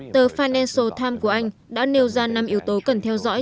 tờ financial times của anh đã nêu ra năm yếu tố cần theo dõi